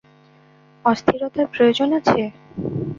অস্থিরতার প্রয়োজন আছে।